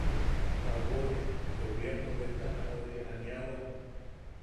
Jabori gobiernobetana ori aniawan.